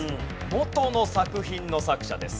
元の作品の作者です。